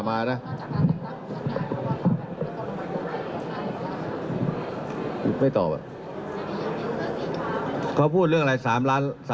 พอแล้วไว้ไร้สาระเธอคำถามเธอ